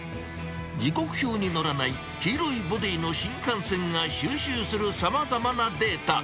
時刻表に載らない黄色いボディーの新幹線が収集するさまざまなデータ。